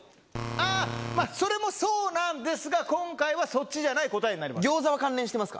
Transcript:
あっ、それもそうなんですが、今回はそっちじゃない答えになります。